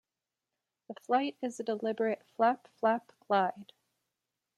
The flight is a deliberate "flap-flap-glide".